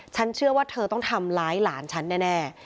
เชื่อว่าเธอต้องทำร้ายหลานฉันแน่